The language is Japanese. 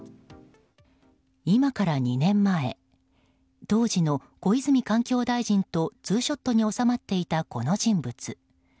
今から２年前当時の小泉環境大臣とツーショットに納まっていたこの人物。